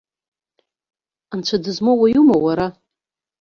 Анцәа дызмоу уаҩума уара?